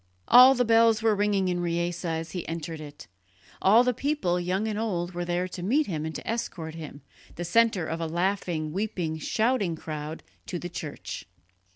All the bells were ringing in Riese as he entered it; all the people, young and old, were there to meet him and to escort him, the centre of a laughing, weeping, shouting crowd, to the church.